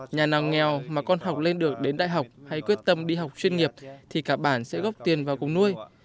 nhà nào nghèo mà con học lên được đến đại học hay quyết tâm đi học chuyên nghiệp thì cả bản sẽ góp tiền vào cùng nuôi